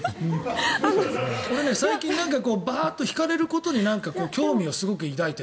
最近バーッと引かれることに興味をすごく抱いている。